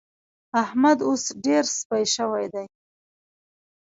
احمد اوس ډېر سپي شوی دی.